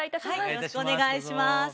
よろしくお願いします。